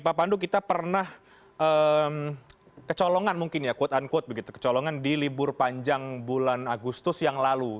pak pandu kita pernah kecolongan mungkin ya quote unquote begitu kecolongan di libur panjang bulan agustus yang lalu